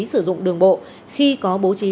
sử dụng đường bộ khi có bố trí